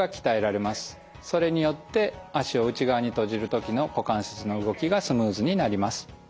それによって脚を内側に閉じる時の股関節の動きがスムーズになります。